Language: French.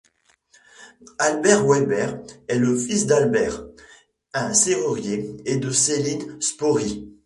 Albert Weber est le fils d'Albert, un serrurier, et de Seline Spörri.